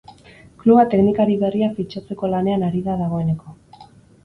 Kluba teknikari berria fitxatzeko lanean ari da dagoeneko.